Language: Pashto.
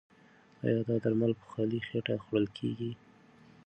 ایا دا درمل په خالي خېټه خوړل کیږي؟